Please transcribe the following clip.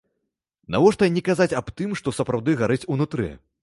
Навошта не казаць аб тым што сапраўды гарыць унутры?